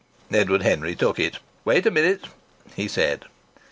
Edward Henry took it. "Wait a minute," he said.